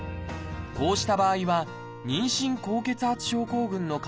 こうした場合は妊娠高血圧症候群の可能性があります。